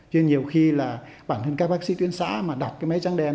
chứ nhiều khi là bản thân các bác sĩ tuyến xã mà đọc cái máy trắng đen